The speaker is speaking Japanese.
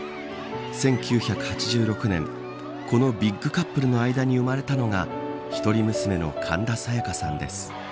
１９８６年このビッグカップルの間に生まれたのが一人娘の神田沙也加さんです。